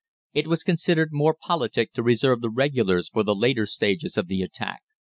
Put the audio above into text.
It was considered more politic to reserve the Regulars for the later stages of the attack.